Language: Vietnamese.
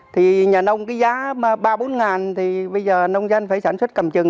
thì nhà nông cái giá ba bốn ngàn thì bây giờ nông doanh phải sản xuất cầm chừng